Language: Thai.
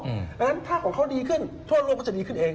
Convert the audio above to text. เพราะฉะนั้นถ้าของเขาดีขึ้นทั่วโลกก็จะดีขึ้นเอง